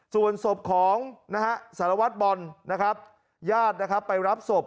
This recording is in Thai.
ส่วนศพของนะฮะสารวัตรบอลนะครับญาตินะครับไปรับศพ